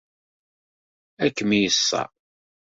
Ad kem-yeṣṣer.